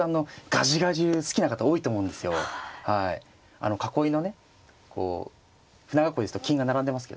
あの囲いのねこう舟囲いですと金が並んでますけどね